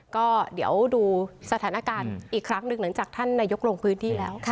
ก็เดี๋ยวดูสถานการณ์อีกครั้งหนึ่งหลังจากท่านนายกลงพื้นที่แล้ว